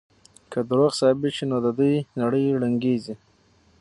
که دروغ ثابت شي نو د دوی نړۍ ړنګېږي.